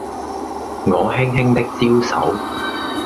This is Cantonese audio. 我輕輕的招手